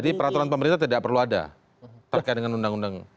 jadi peraturan pemerintah tidak perlu ada terkait dengan undang undang